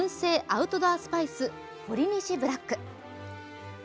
アウトドアスパイスほりにしブラック。